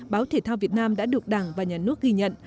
báo thể thao việt nam đã được đảng và nhà nước ghi nhận